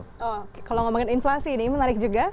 oh kalau ngomongin inflasi ini menarik juga